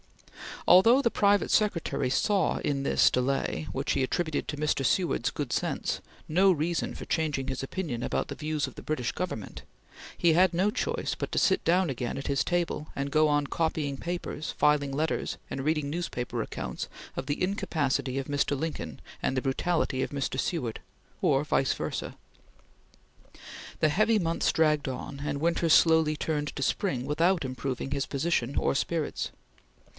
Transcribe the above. Although the private secretary saw in this delay which he attributed to Mr. Seward's good sense no reason for changing his opinion about the views of the British Government, he had no choice but to sit down again at his table, and go on copying papers, filing letters, and reading newspaper accounts of the incapacity of Mr. Lincoln and the brutality of Mr. Seward or vice versa. The heavy months dragged on and winter slowly turned to spring without improving his position or spirits.